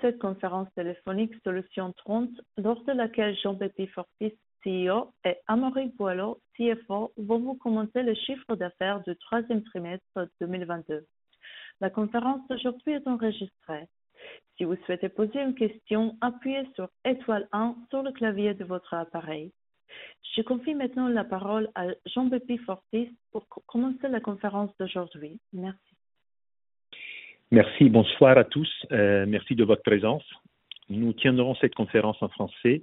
Bienvenue à cette conférence téléphonique Solutions 30, lors de laquelle Gianbeppi Fortis, CEO, et Amaury Boilot, CFO, vont vous commenter les chiffres d'affaires du troisième trimestre 2022. La conférence d'aujourd'hui est enregistrée. Si vous souhaitez poser une question, appuyez sur étoile un sur le clavier de votre appareil. Je confie maintenant la parole à Gianbeppi Fortis pour commencer la conférence d'aujourd'hui. Merci. Merci, bonsoir à tous. Merci de votre présence. Nous tiendrons cette conférence en français.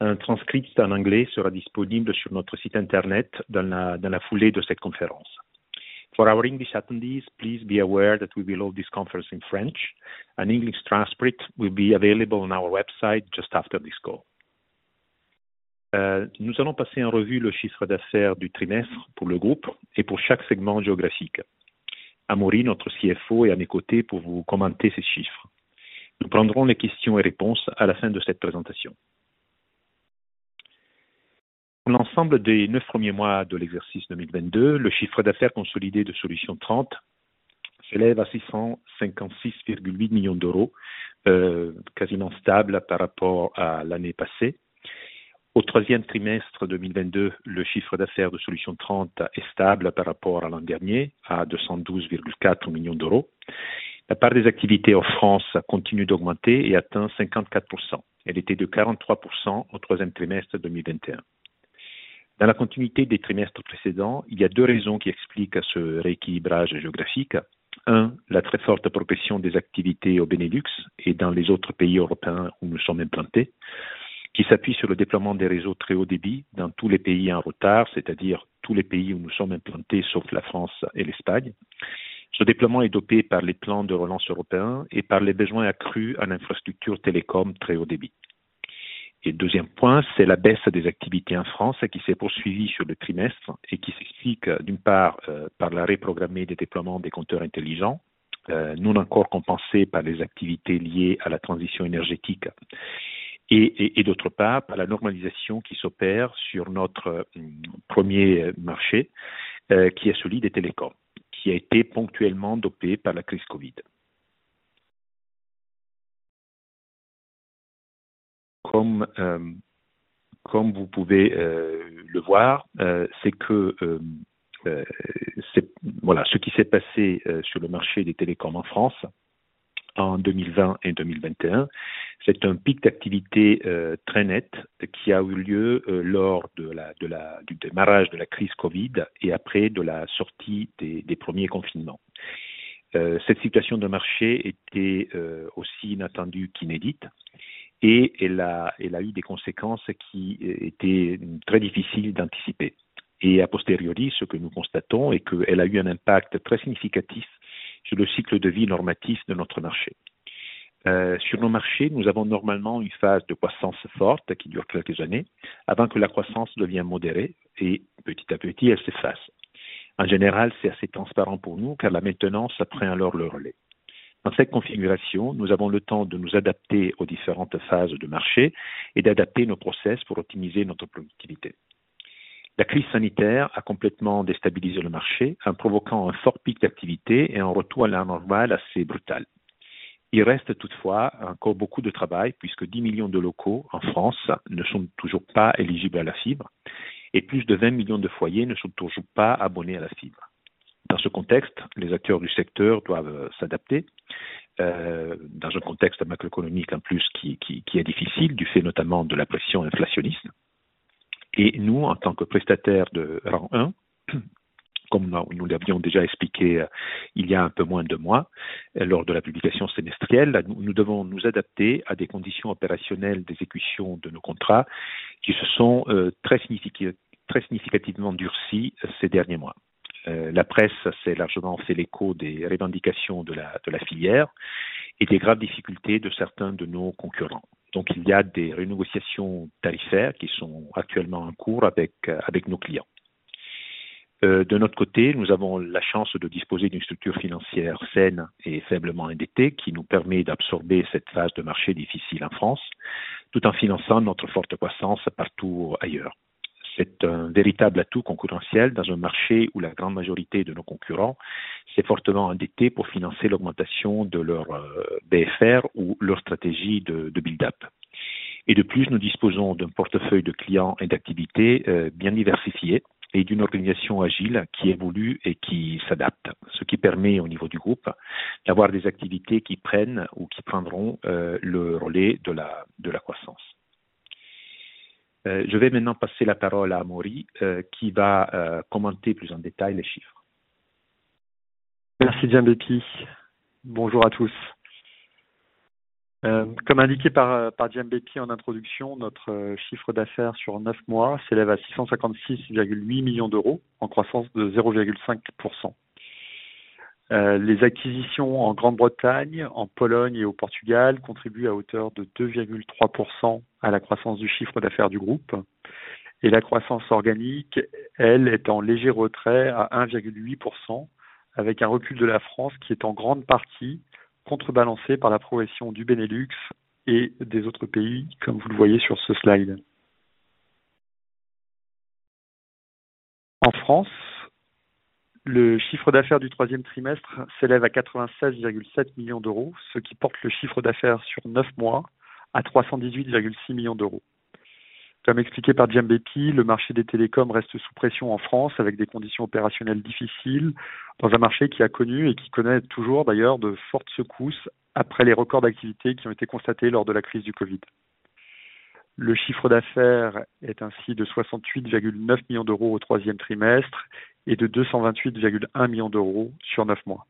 Un transcript en anglais sera disponible sur notre site internet dans la foulée de cette conférence. For our English attendees, please be aware that we will hold this conference in French. An English transcript will be available on our website just after this call. Nous allons passer en revue le chiffre d'affaires du trimestre pour le groupe et pour chaque segment géographique. Amaury, notre CFO, est à mes côtés pour vous commenter ces chiffres. Nous prendrons les questions et réponses à la fin de cette présentation. Pour l'ensemble des 9 premiers mois de l'exercice 2022, le chiffre d'affaires consolidé de Solutions 30 s'élève à 656.8 million, quasiment stable par rapport à l'année passée. Au troisième trimestre 2022, le chiffre d'affaires de Solutions 30 est stable par rapport à l'an dernier, à 212.4 million. La part des activités en France continue d'augmenter et atteint 54%. Elle était de 43% au troisième trimestre 2021. Dans la continuité des trimestres précédents, il y a deux raisons qui expliquent ce rééquilibrage géographique. Un. La très forte progression des activités au Bénélux et dans les autres pays européens où nous sommes implantés, qui s'appuie sur le déploiement des réseaux très haut débit dans tous les pays en retard, c'est-à-dire tous les pays où nous sommes implantés sauf la France et l'Espagne. Ce déploiement est dopé par les plans de relance européens et par les besoins accrus en infrastructures télécom très haut débit. Deuxième point, c'est la baisse des activités en France qui s'est poursuivie sur le trimestre et qui s'explique d'une part par la reprogrammation des déploiements des compteurs intelligents, non encore compensés par les activités liées à la transition énergétique et d'autre part par la normalisation qui s'opère sur notre premier marché, qui est celui des télécoms, qui a été ponctuellement dopé par la crise COVID. Comme vous pouvez le voir, voilà ce qui s'est passé sur le marché des télécoms en France en 2020 et 2021, c'est un pic d'activité très net qui a eu lieu lors du démarrage de la crise COVID et après la sortie des premiers confinements. Cette situation de marché était aussi inattendue qu'inédite et elle a eu des conséquences qui étaient très difficiles d'anticiper. A posteriori, ce que nous constatons est qu'elle a eu un impact très significatif sur le cycle de vie normatif de notre marché. Sur nos marchés, nous avons normalement une phase de croissance forte qui dure quelques années avant que la croissance devient modérée et petit à petit, elle s'efface. En général, c'est assez transparent pour nous, car la maintenance prend alors le relais. Dans cette configuration, nous avons le temps de nous adapter aux différentes phases de marché et d'adapter nos processus pour optimiser notre productivité. La crise sanitaire a complètement déstabilisé le marché en provoquant un fort pic d'activité et un retour à la normale assez brutal. Il reste toutefois encore beaucoup de travail puisque 10 millions de locaux en France ne sont toujours pas éligibles à la fibre et plus de 20 millions de foyers ne sont toujours pas abonnés à la fibre. Dans ce contexte, les acteurs du secteur doivent s'adapter, dans un contexte macroéconomique en plus qui est difficile du fait notamment de la pression inflationniste. Nous, en tant que prestataire de rang un, comme nous l'avions déjà expliqué il y a un peu moins de 2 mois lors de la publication semestrielle, nous devons nous adapter à des conditions opérationnelles d'exécution de nos contrats qui se sont très significativement durcies ces derniers mois. La presse s'est largement fait l'écho des revendications de la filière et des graves difficultés de certains de nos concurrents. Il y a des renégociations tarifaires qui sont actuellement en cours avec nos clients. De notre côté, nous avons la chance de disposer d'une structure financière saine et faiblement endettée qui nous permet d'absorber cette phase de marché difficile en France tout en finançant notre forte croissance partout ailleurs. C'est un véritable atout concurrentiel dans un marché où la grande majorité de nos concurrents s'est fortement endettée pour financer l'augmentation de leur BFR ou leur stratégie de build-up. De plus, nous disposons d'un portefeuille de clients et d'activités bien diversifié et d'une organisation agile qui évolue et qui s'adapte, ce qui permet au niveau du groupe d'avoir des activités qui prennent ou qui prendront le relais de la croissance. Je vais maintenant passer la parole à Amaury, qui va commenter plus en détail les chiffres. Merci, Gianbeppi Fortis. Bonjour à tous. Comme indiqué par Gianbeppi Fortis en introduction, notre chiffre d'affaires sur neuf mois s'élève à 656.8 million, en croissance de 0.5%. Les acquisitions en Grande-Bretagne, en Pologne et au Portugal contribuent à hauteur de 2.3% à la croissance du chiffre d'affaires du groupe. La croissance organique est en léger retrait de 1.8%, avec un recul de la France qui est en grande partie contrebalancé par la progression du Benelux et des autres pays, comme vous le voyez sur ce slide. En France, le chiffre d'affaires du troisième trimestre s'élève à 96.7 million, ce qui porte le chiffre d'affaires sur neuf mois à 318.6 million. Comme expliqué par Gianbeppi, le marché des télécoms reste sous pression en France avec des conditions opérationnelles difficiles dans un marché qui a connu et qui connaît toujours d'ailleurs de fortes secousses après les records d'activité qui ont été constatés lors de la crise du COVID. Le chiffre d'affaires est ainsi de 68.9 million au troisième trimestre et de 228.1 million sur neuf mois.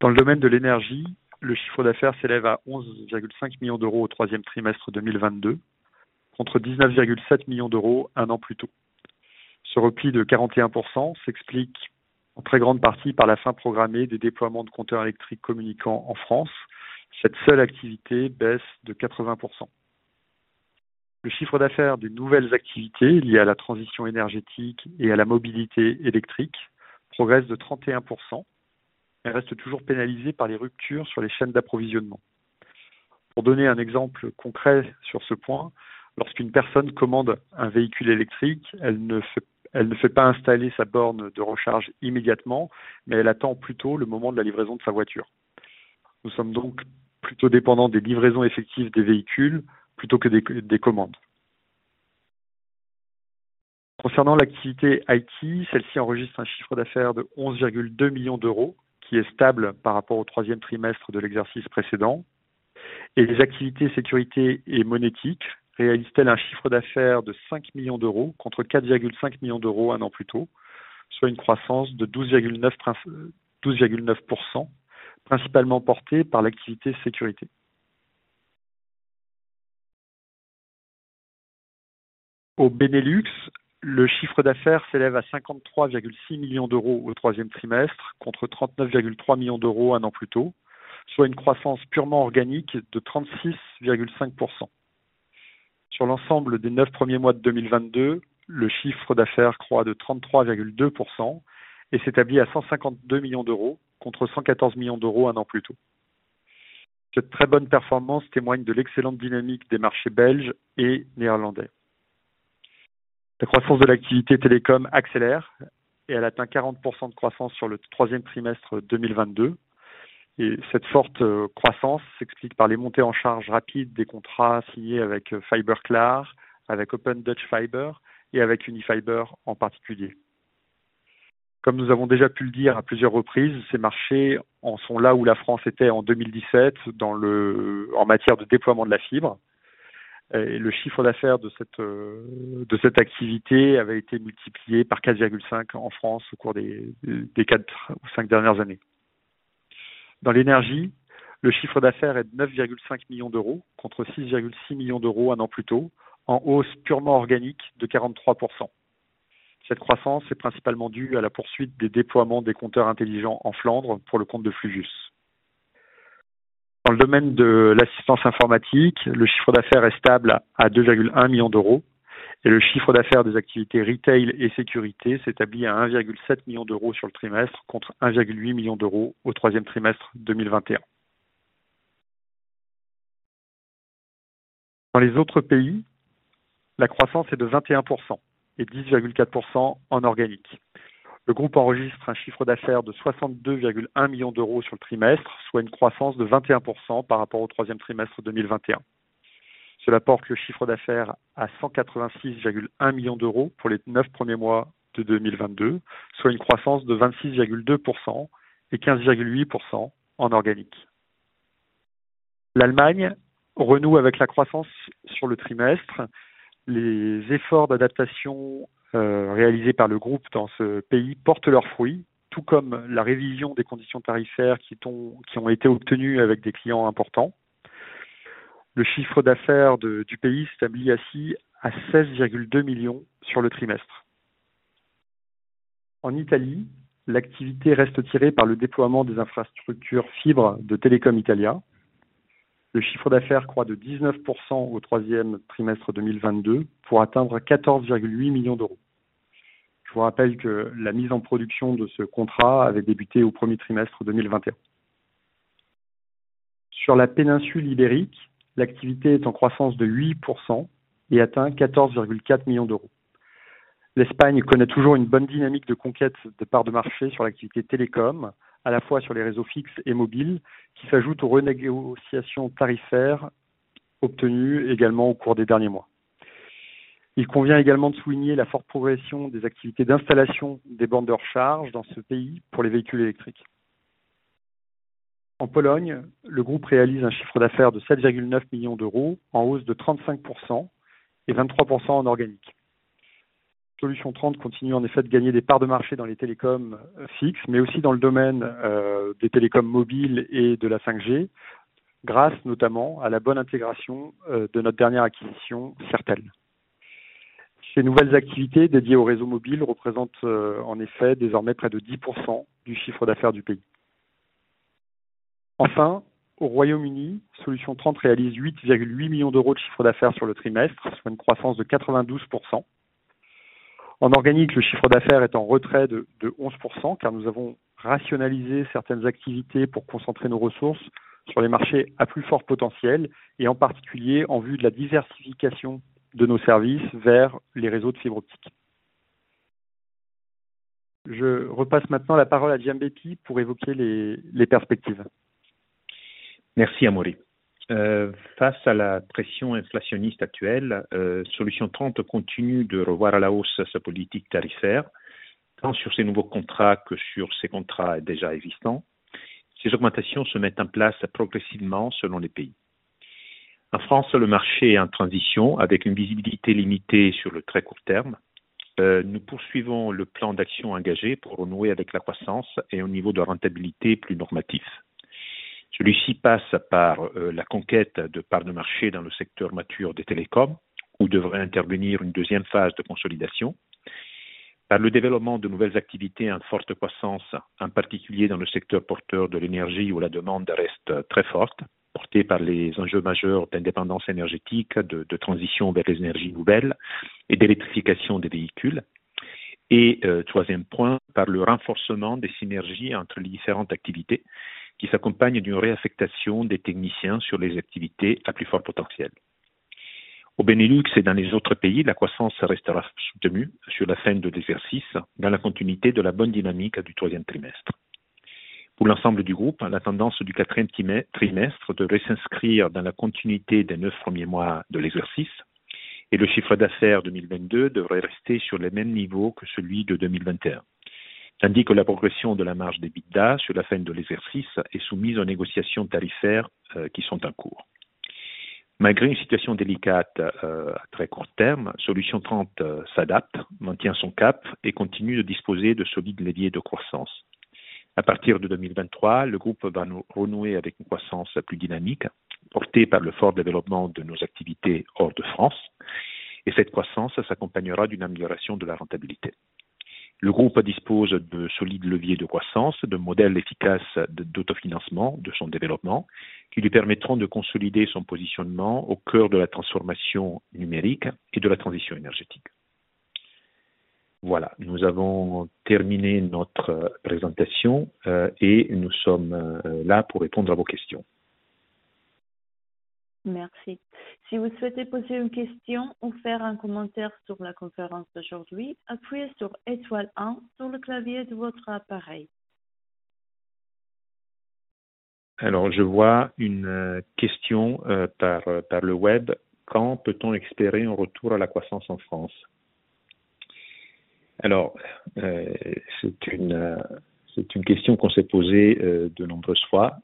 Dans le domaine de l'énergie, le chiffre d'affaires s'élève à 11.5 million au troisième trimestre 2022, contre 19.7 million un an plus tôt. Ce repli de 41% s'explique en très grande partie par la fin programmée des déploiements de compteurs électriques communicants en France. Cette seule activité baisse de 80%. Le chiffre d'affaires des nouvelles activités liées à la transition énergétique et à la mobilité électrique progresse de 31%. Elle reste toujours pénalisée par les ruptures sur les chaînes d'approvisionnement. Pour donner un exemple concret sur ce point, lorsqu'une personne commande un véhicule électrique, elle ne fait pas installer sa borne de recharge immédiatement, mais elle attend plutôt le moment de la livraison de sa voiture. Nous sommes donc plutôt dépendants des livraisons effectives des véhicules plutôt que des commandes. Concernant l'activité IT, celle-ci enregistre un chiffre d'affaires de 11.2 million qui est stable par rapport au troisième trimestre de l'exercice précédent et les activités sécurité et monétique réalisent un chiffre d'affaires de 5 million, contre 4.5 million un an plus tôt, soit une croissance de 12.9%, principalement portée par l'activité sécurité. Au Benelux, le chiffre d'affaires s'élève à 53.6 million au troisième trimestre, contre 39.3 million un an plus tôt, soit une croissance purement organique de 36.5%. Sur l'ensemble des neuf premiers mois de 2022, le chiffre d'affaires croît de 33.2% et s'établit à 152 million, contre 114 million un an plus tôt. Cette très bonne performance témoigne de l'excellente dynamique des marchés belges et néerlandais. La croissance de l'activité télécom accélère et elle atteint 40% de croissance sur le troisième trimestre 2022. Cette forte croissance s'explique par les montées en charge rapide des contrats signés avec Fiberklaar, avec Open Dutch Fiber et avec Unifiber en particulier. Comme nous avons déjà pu le dire à plusieurs reprises, ces marchés en sont là où la France était en 2017 dans le, en matière de déploiement de la fibre. Le chiffre d'affaires de cette, de cette activité avait été multiplié par 4.5 en France au cours des quatre ou cinq dernières années. Dans l'énergie, le chiffre d'affaires est de 9.5 million, contre 6.6 million un an plus tôt, en hausse purement organique de 43%. Cette croissance est principalement due à la poursuite des déploiements des compteurs intelligents en Flandre pour le compte de Fluvius. Dans le domaine de l'assistance informatique, le chiffre d'affaires est stable à 2.1 million et le chiffre d'affaires des activités retail et sécurité s'établit à 1.7 million sur le trimestre, contre 1.8 million au troisième trimestre 2021. Dans les autres pays, la croissance est de 21% et 10.4% en organique. Le groupe enregistre un chiffre d'affaires de 62.1 million sur le trimestre, soit une croissance de 21% par rapport au troisième trimestre 2021. Cela porte le chiffre d'affaires à 186.1 million pour les neuf premiers mois de 2022, soit une croissance de 26.2% et 15.8% en organique. L'Allemagne renoue avec la croissance sur le trimestre. Les efforts d'adaptation réalisés par le groupe dans ce pays portent leurs fruits, tout comme la révision des conditions tarifaires qui ont été obtenues avec des clients importants. Le chiffre d'affaires du pays s'établit ainsi à 16.2 million sur le trimestre. En Italie, l'activité reste tirée par le déploiement des infrastructures fibre de Telecom Italia. Le chiffre d'affaires croît de 19% au troisième trimestre 2022 pour atteindre 14.8 million. Je vous rappelle que la mise en production de ce contrat avait débuté au premier trimestre 2021. Sur la péninsule ibérique, l'activité est en croissance de 8% et atteint 14.4 millions d'euros. L'Espagne connaît toujours une bonne dynamique de conquête de parts de marché sur l'activité télécom, à la fois sur les réseaux fixes et mobiles, qui s'ajoutent aux renégociations tarifaires obtenues également au cours des derniers mois. Il convient également de souligner la forte progression des activités d'installation des bornes de recharge dans ce pays pour les véhicules électriques. En Pologne, le groupe réalise un chiffre d'affaires de 7.9 millions d'euros, en hausse de 35% et 23% en organique. Solutions 30 continue en effet de gagner des parts de marché dans les télécoms fixes, mais aussi dans le domaine des télécoms mobiles et de la 5G, grâce notamment à la bonne intégration de notre dernière acquisition, Sirtel. Ces nouvelles activités dédiées au réseau mobile représentent en effet désormais près de 10% du chiffre d'affaires du pays. Enfin, au Royaume-Uni, Solutions 30 réalise 8.8 million de chiffre d'affaires sur le trimestre, soit une croissance de 92%. En organique, le chiffre d'affaires est en retrait de 11% car nous avons rationalisé certaines activités pour concentrer nos ressources sur les marchés à plus fort potentiel et en particulier en vue de la diversification de nos services vers les réseaux de fibre optique. Je repasse maintenant la parole à Gianbeppi pour évoquer les perspectives. Merci Amaury. Face à la pression inflationniste actuelle, Solutions 30 continue de revoir à la hausse sa politique tarifaire, tant sur ses nouveaux contrats que sur ses contrats déjà existants. Ces augmentations se mettent en place progressivement selon les pays. En France, le marché est en transition avec une visibilité limitée sur le très court terme. Nous poursuivons le plan d'action engagé pour renouer avec la croissance et un niveau de rentabilité plus normatif. Celui-ci passe par la conquête de parts de marché dans le secteur mature des télécoms, où devrait intervenir une deuxième phase de consolidation, par le développement de nouvelles activités en forte croissance, en particulier dans le secteur porteur de l'énergie où la demande reste très forte, portée par les enjeux majeurs d'indépendance énergétique, de transition vers les énergies nouvelles et d'électrification des véhicules. Troisième point, par le renforcement des synergies entre les différentes activités qui s'accompagnent d'une réaffectation des techniciens sur les activités à plus fort potentiel. Au Bénélux et dans les autres pays, la croissance restera soutenue sur la fin de l'exercice, dans la continuité de la bonne dynamique du troisième trimestre. Pour l'ensemble du groupe, la tendance du quatrième trimestre devrait s'inscrire dans la continuité des neuf premiers mois de l'exercice et le chiffre d'affaires 2022 devrait rester sur les mêmes niveaux que celui de 2021. Tandis que la progression de la marge d'EBITDA sur la fin de l'exercice est soumise aux négociations tarifaires qui sont en cours. Malgré une situation délicate à très court terme, Solutions 30 s'adapte, maintient son cap et continue de disposer de solides leviers de croissance. À partir de 2023, le groupe va renouer avec une croissance plus dynamique, portée par le fort développement de nos activités hors de France, et cette croissance s'accompagnera d'une amélioration de la rentabilité. Le groupe dispose de solides leviers de croissance, de modèles efficaces d'autofinancement de son développement qui lui permettront de consolider son positionnement au cœur de la transformation numérique et de la transition énergétique. Voilà, nous avons terminé notre présentation et nous sommes là pour répondre à vos questions. Merci. Si vous souhaitez poser une question ou faire un commentaire sur la conférence d'aujourd'hui, appuyez sur étoile un sur le clavier de votre appareil. Je vois une question par le web: quand peut-on espérer un retour à la croissance en France ? C'est une question qu'on s'est posée de nombreuses fois.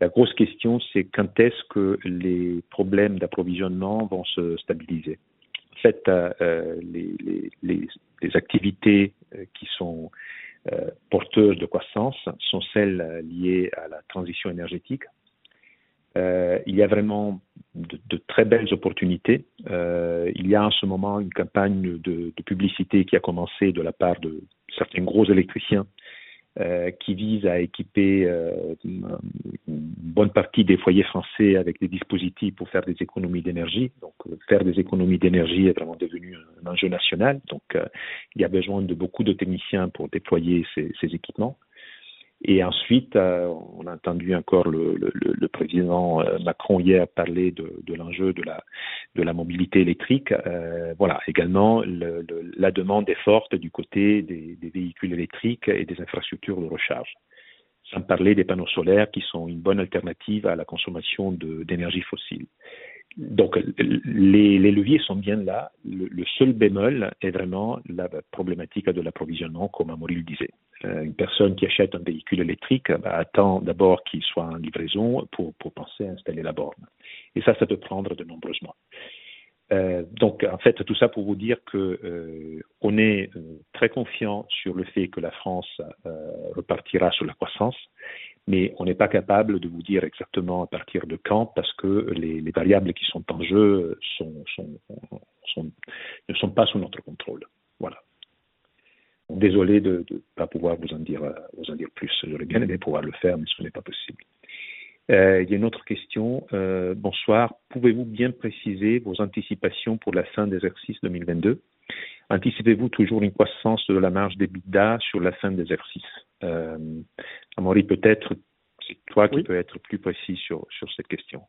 La grosse question, c'est quand est-ce que les problèmes d'approvisionnement vont se stabiliser. En fait, les activités qui sont porteuses de croissance sont celles liées à la transition énergétique. Il y a vraiment de très belles opportunités. Il y a en ce moment une campagne de publicité qui a commencé de la part de certains gros électriciens, qui visent à équiper une bonne partie des foyers français avec des dispositifs pour faire des économies d'énergie. Donc faire des économies d'énergie est vraiment devenu un enjeu national. Donc il y a besoin de beaucoup de techniciens pour déployer ces équipements. Ensuite, on a entendu encore le Président Macron hier parler de l'enjeu de la mobilité électrique. Voilà, également, la demande est forte du côté des véhicules électriques et des infrastructures de recharge. Sans parler des panneaux solaires qui sont une bonne alternative à la consommation d'énergies fossiles. Les leviers sont bien là. Le seul bémol est vraiment la problématique de l'approvisionnement, comme Amaury le disait. Une personne qui achète un véhicule électrique attend d'abord qu'il soit en livraison pour penser à installer la borne. Ça peut prendre de nombreux mois. En fait, tout ça pour vous dire que on est très confiants sur le fait que la France repartira sur la croissance, mais on n'est pas capable de vous dire exactement à partir de quand, parce que les variables qui sont en jeu ne sont pas sous notre contrôle. Voilà. Désolé de pas pouvoir vous en dire plus. J'aurais bien aimé pouvoir le faire, mais ce n'est pas possible. Il y a une autre question. Bonsoir, pouvez-vous bien préciser vos anticipations pour la fin de l'exercice 2022? Anticipez-vous toujours une croissance de la marge d'EBITDA sur la fin de l'exercice? Amaury, peut-être c'est toi qui peux être plus précis sur cette question.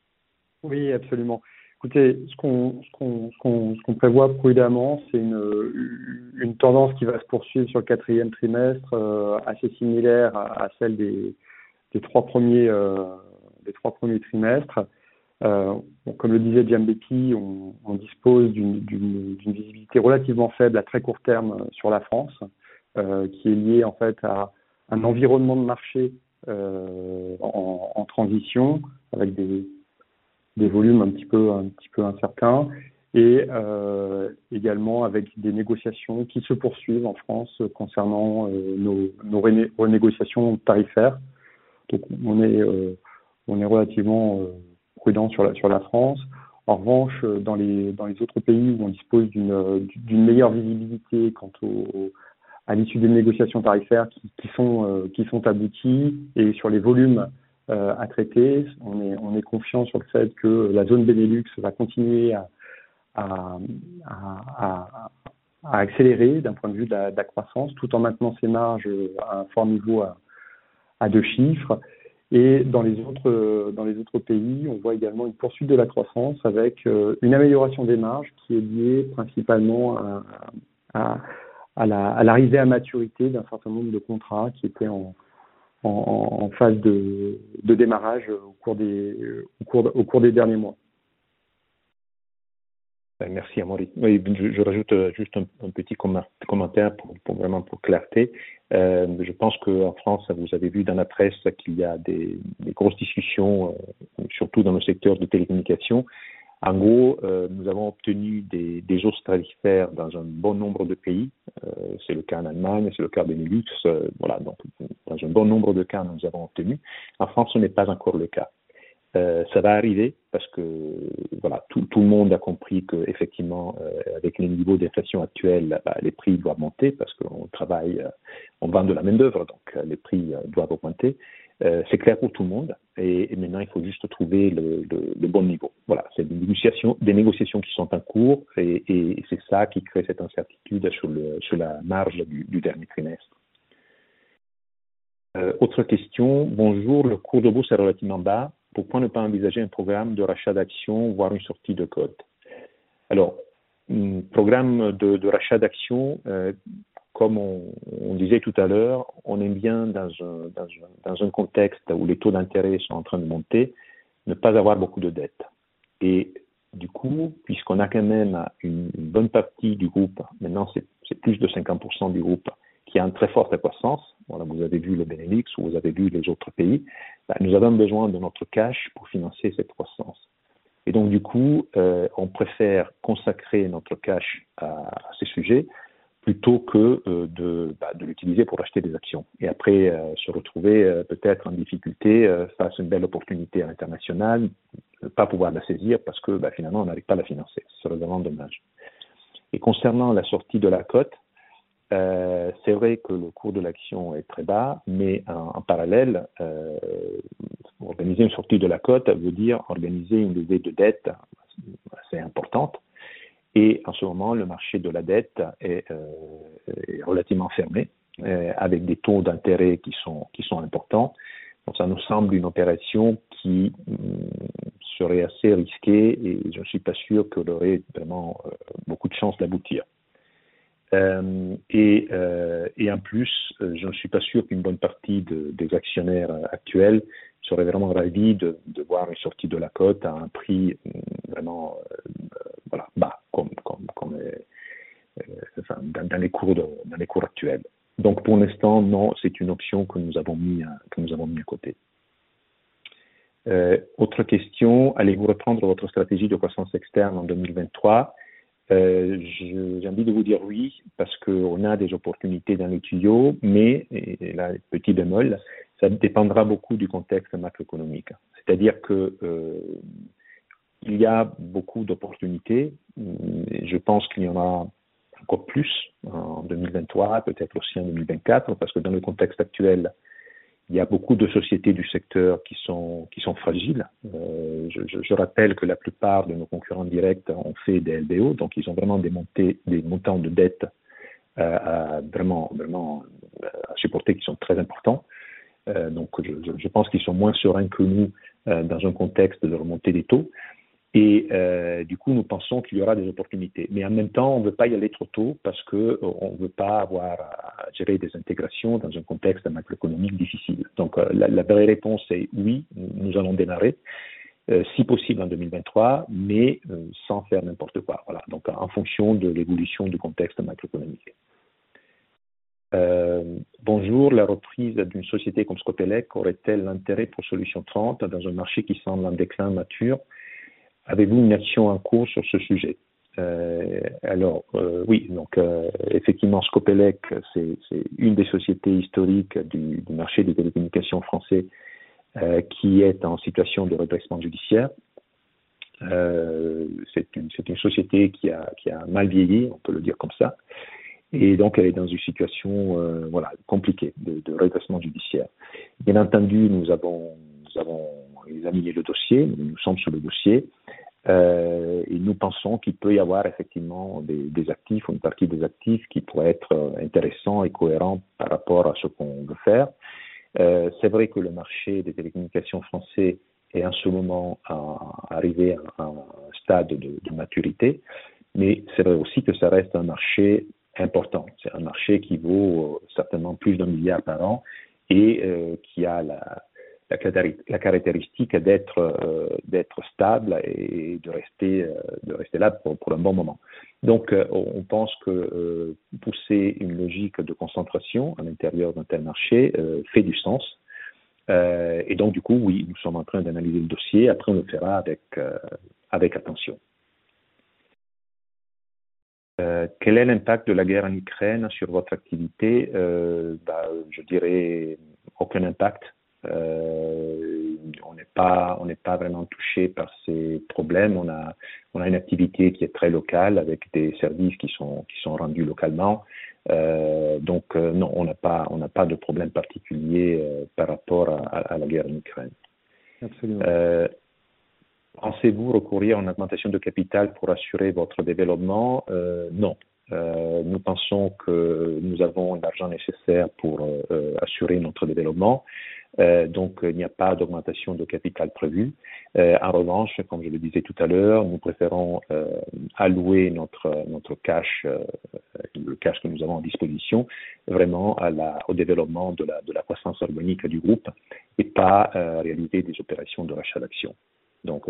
Oui, absolument. Écoutez, ce qu'on prévoit prudemment, c'est une tendance qui va se poursuivre sur le quatrième trimestre, assez similaire à celle des trois premiers trimestres. Comme le disait Gianbeppi, on dispose d'une visibilité relativement faible à très court terme sur la France, qui est liée en fait à un environnement de marché en transition avec des volumes un petit peu incertains et également avec des négociations qui se poursuivent en France concernant nos renégociations tarifaires. Donc on est relativement prudent sur la France. En revanche, dans les autres pays où on dispose d'une meilleure visibilité quant à l'issue des négociations tarifaires qui sont abouties et sur les volumes à traiter, on est confiant sur le fait que la zone Benelux va continuer à accélérer d'un point de vue de la croissance tout en maintenant ses marges à un fort niveau à deux chiffres. Dans les autres pays, on voit également une poursuite de la croissance avec une amélioration des marges qui est liée principalement à l'arrivée à maturité d'un certain nombre de contrats qui étaient en phase de démarrage au cours des derniers mois. Merci Amaury. Oui, je rajoute juste un petit commentaire pour vraiment pour clarté. Je pense qu'en France, vous avez vu dans la presse qu'il y a des grosses discussions, surtout dans le secteur des télécommunications. En gros, nous avons obtenu des hausses tarifaires dans un bon nombre de pays. C'est le cas en Allemagne, c'est le cas Benelux. Voilà, dans un bon nombre de cas, nous avons obtenu. En France, ce n'est pas encore le cas. Ça va arriver parce que voilà, tout le monde a compris qu'effectivement, avec les niveaux d'inflation actuels, les prix doivent monter parce qu'on travaille, on vend de la main-d'œuvre, donc les prix doivent augmenter. C'est clair pour tout le monde. Maintenant, il faut juste trouver le bon niveau. Voilà, c'est des négociations qui sont en cours et c'est ça qui crée cette incertitude sur la marge du dernier trimestre. Autre question: Bonjour, le cours de bourse est relativement bas. Pourquoi ne pas envisager un programme de rachat d'actions, voire une sortie de code? Programme de rachat d'actions, comme on disait tout à l'heure, on est bien dans un contexte où les taux d'intérêt sont en train de monter, ne pas avoir beaucoup de dettes. Du coup, puisqu'on a quand même une bonne partie du groupe, maintenant, c'est plus de 50% du groupe qui a une très forte croissance. Voilà, vous avez vu le Benelux ou vous avez vu les autres pays. Nous avons besoin de notre cash pour financer cette croissance. On préfère consacrer notre cash à ces sujets plutôt que de l'utiliser pour racheter des actions et après se retrouver peut-être en difficulté face à une belle opportunité à l'international, ne pas pouvoir la saisir parce que finalement, on n'arrive pas à la financer. Ce serait vraiment dommage. Concernant la sortie de la cote, c'est vrai que le cours de l'action est très bas, mais en parallèle, organiser une sortie de la cote veut dire organiser une levée de dettes assez importante. En ce moment, le marché de la dette est relativement fermé, avec des taux d'intérêt qui sont importants. Donc ça nous semble une opération qui serait assez risquée et je ne suis pas sûr qu'elle aurait vraiment beaucoup de chances d'aboutir. En plus, je ne suis pas sûr qu'une bonne partie des actionnaires actuels seraient vraiment ravis de voir une sortie de la cote à un prix vraiment bas, comme dans les cours actuels. Donc, pour l'instant, non, c'est une option que nous avons mis de côté. Autre question, allez-vous reprendre votre stratégie de croissance externe en 2023? J'ai envie de vous dire oui, parce qu'on a des opportunités dans les tuyaux, mais, et là, petit bémol, ça dépendra beaucoup du contexte macroéconomique. C'est-à-dire qu'il y a beaucoup d'opportunités. Je pense qu'il y en a encore plus en 2023, peut-être aussi en 2024, parce que dans le contexte actuel, il y a beaucoup de sociétés du secteur qui sont fragiles. Je rappelle que la plupart de nos concurrents directs ont fait des LBO, donc ils ont vraiment des montants de dettes à vraiment supporter qui sont très importants. Donc, je pense qu'ils sont moins sereins que nous dans un contexte de remontée des taux. Du coup, nous pensons qu'il y aura des opportunités. Mais en même temps, on ne veut pas y aller trop tôt parce qu'on ne veut pas avoir à gérer des intégrations dans un contexte macroéconomique difficile. Donc, la vraie réponse est oui, nous allons démarrer, si possible en 2023, mais sans faire n'importe quoi. Voilà, en fonction de l'évolution du contexte macroéconomique. Bonjour, la reprise d'une société comme Scopelec aurait-elle l'intérêt pour Solutions 30 dans un marché qui semble en déclin mature? Avez-vous une action en cours sur ce sujet? Alors, oui, donc effectivement, Scopelec, c'est une des sociétés historiques du marché des télécommunications français qui est en situation de redressement judiciaire. C'est une société qui a mal vieilli, on peut le dire comme ça. Elle est dans une situation compliquée de redressement judiciaire. Bien entendu, nous avons examiné le dossier, nous sommes sur le dossier, et nous pensons qu'il peut y avoir effectivement des actifs ou une partie des actifs qui pourraient être intéressants et cohérents par rapport à ce qu'on veut faire. C'est vrai que le marché des télécommunications français est en ce moment arrivé à un stade de maturité, mais c'est vrai aussi que ça reste un marché important. C'est un marché qui vaut certainement plus d'EUR 1 milliard par an et qui a la caractéristique d'être stable et de rester là pour un bon moment. On pense que pousser une logique de concentration à l'intérieur d'un tel marché fait du sens. Oui, nous sommes en train d'analyser le dossier. Après, on le fera avec attention. Quel est l'impact de la guerre en Ukraine sur votre activité? Ben, je dirais aucun impact. On n'est pas vraiment touché par ces problèmes. On a une activité qui est très locale avec des services qui sont rendus localement. Donc non, on n'a pas de problème particulier par rapport à la guerre en Ukraine. Pensez-vous recourir à une augmentation de capital pour assurer votre développement? Non. Nous pensons que nous avons l'argent nécessaire pour assurer notre développement. Il n'y a pas d'augmentation de capital prévue. En revanche, comme je le disais tout à l'heure, nous préférons allouer notre cash, le cash que nous avons à disposition, vraiment au développement de la croissance organique du groupe et pas réaliser des opérations de rachat d'actions.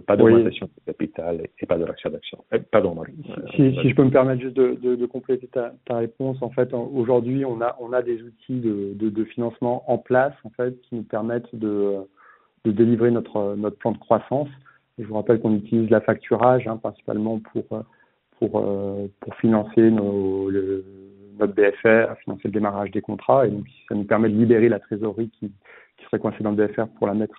Pas d'augmentation de capital et pas de rachat d'actions. Pardon, Marie. Si je peux me permettre juste de compléter ta réponse. En fait, aujourd'hui, on a des outils de financement en place en fait, qui nous permettent de délivrer notre plan de croissance. Je vous rappelle qu'on utilise l'affacturage, hein, principalement pour financer notre BFR, financer le démarrage des contrats. Donc ça nous permet de libérer la trésorerie qui serait coincée dans le BFR pour la mettre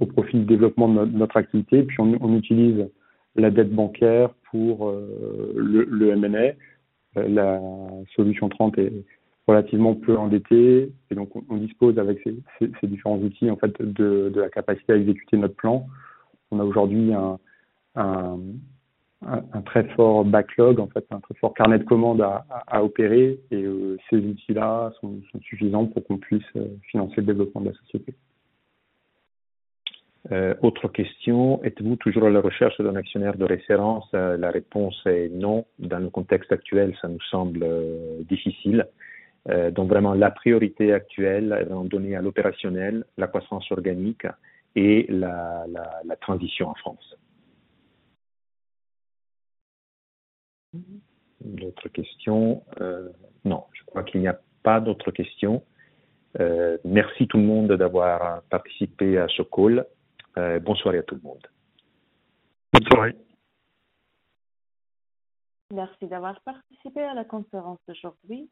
au profit du développement de notre activité. On utilise la dette bancaire pour le M&A. Solutions 30 est relativement peu endettée et donc on dispose avec ces différents outils, en fait, de la capacité à exécuter notre plan. On a aujourd'hui un très fort backlog, en fait, un très fort carnet de commandes à opérer et ces outils-là sont suffisants pour qu'on puisse financer le développement de la société. Autre question: êtes-vous toujours à la recherche d'un actionnaire de référence? La réponse est non. Dans le contexte actuel, ça nous semble difficile. Donc vraiment, la priorité actuelle est en donner à l'opérationnel, la croissance organique et la transition en France. D'autres questions? Non, je crois qu'il n'y a pas d'autres questions. Merci tout le monde d'avoir participé à ce call. Bonne soirée à tout le monde. Bonne soirée. Merci d'avoir participé à la conférence d'aujourd'hui.